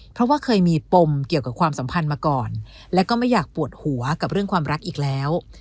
เพราะว่าเคยมีปมเกี่ยวกับความสัมพันธ์มาก่อนและก็ไม่อยากปวดหัวกับเรื่องความรักอีกแล้ว